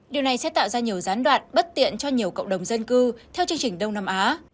điều này sẽ tạo ra nhiều gián đoạn bất tiện cho nhiều cộng đồng dân cư theo chương trình đông nam á